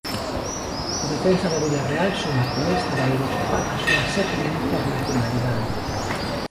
O defensa do Vilarreal suma con esta da Eurocopa a súa sétima internacionalidade.